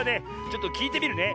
ちょっときいてみるね。